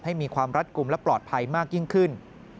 มีความรัดกลุ่มและปลอดภัยมากยิ่งขึ้น